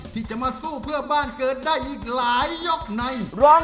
ที่จะมาสู้เพื่อบ้านเกิดได้อีกหลายยกในร้อง